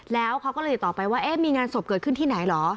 แล้วเขาก็เลยติดต่อไปว่าเอ๊ะมีงานศพเกิดขึ้นที่ไหนเหรอ